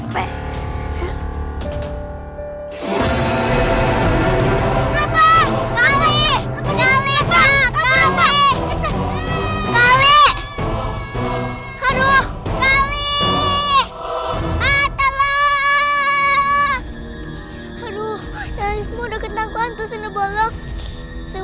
belum udah ditangkap deh